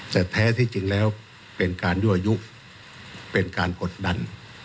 แต่แท้ที่จริงแล้วเป็นการยั่วยุเป็นการกดดัน